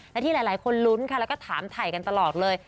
และที่หลายคนลุ้นค่ะแล้วก็ถามถ่ายกันตลอดเลย